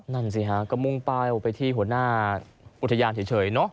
นั่นสิฮะก็มุ่งเป้าไปที่หัวหน้าอุทยานเฉยเนอะ